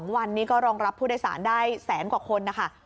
๒วันนี้ก็รองรับผู้โดยสารได้แสนกว่าคนนะคะ